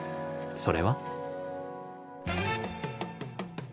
それは。